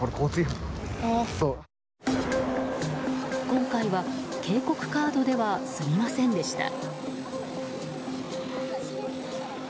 今回は警告カードでは済みませんでした。